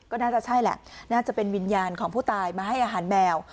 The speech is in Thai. ก็น่าจะใช่แหละน่าจะเป็นวิญญาณของผู้ตายมาให้อาหารแมว